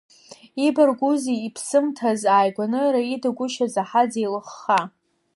Ибаргәузеи, иԥсымҭаз, ааигәаны, Раида гәышьа заҳаз еилыхха!